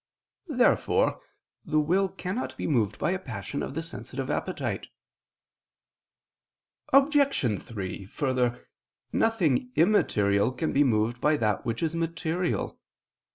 Therefore the will cannot be moved by a passion of the sensitive appetite. Obj. 3: Further, nothing immaterial can be moved by that which is material.